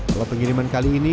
kalau pengiriman kali ini